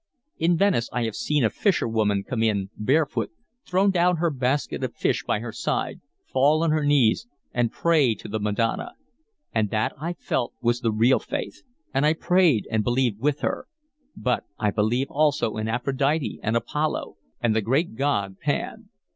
In Venice I have seen a fisherwoman come in, barefoot, throw down her basket of fish by her side, fall on her knees, and pray to the Madonna; and that I felt was the real faith, and I prayed and believed with her. But I believe also in Aphrodite and Apollo and the Great God Pan."